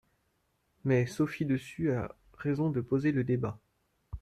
Mais Sophie Dessus a raison de poser le débat.